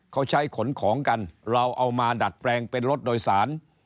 เขาใช้ขนของกันเราเอามาดัดแปลงเป็นรถโดยสาร